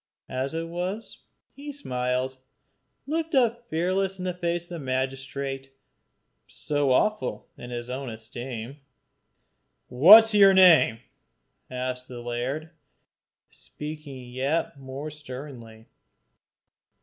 As it was, he smiled, looking up fearless in the face of the magistrate, so awful in his own esteem. "What is your name?" asked the laird, speaking yet more sternly.